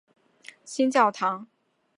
新教堂。